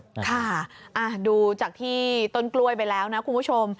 ค่ะดูจากที่ต้นกล้วยไปแล้วนะคุณผู้ชม